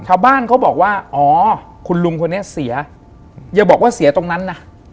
ชาวบ้านเขาบอกว่าอ๋อคุณลุงคนนี้เสียอย่าบอกว่าเสียตรงนั้นนะ